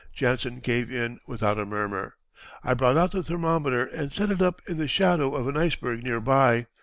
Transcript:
Jansen gave in without a murmur. I brought out the thermometer and set it up in the shadow of an iceberg near by.